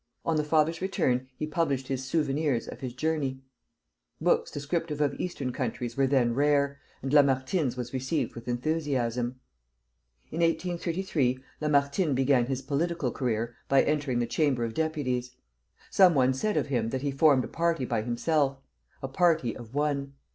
On the father's return he published his "Souvenirs of his Journey." Books descriptive of Eastern countries were then rare, and Lamartine's was received with enthusiasm. In 1833 Lamartine began his political career by entering the Chamber of Deputies. Some one said of him that he formed a party by himself, a party of one.